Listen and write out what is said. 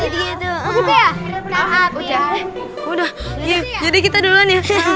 dia udah jadi kita duluan